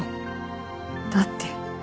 だって。